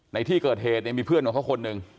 ในที่เกิดเหตุเนี่ยมีเพื่อนของเขาคนหนึ่ง